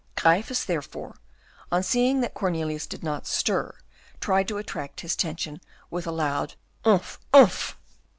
Gryphus, therefore, on seeing that Cornelius did not stir, tried to attract his attention by a loud "Umph, umph!"